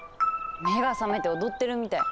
目が覚めて踊ってるみたい。